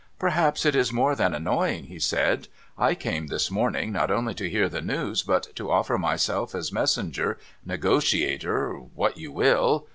' Perhaps it is more than annoying !' he said. * I came this morning not only to hear the news, but to offer myself as messenger, negotiator — what you will.